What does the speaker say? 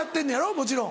もちろん。